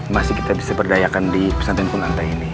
masih kita bisa berdayakan di pesantren pungganta ini